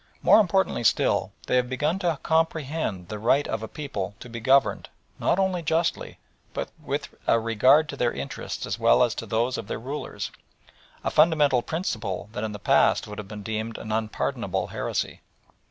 More important still, they have begun to comprehend the right of a people to be governed, not only justly, but with a regard to their interests as well as to those of their rulers a fundamental principle that in the past would have been deemed an unpardonable heresy.